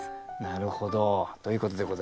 なるほど。ということでございましてね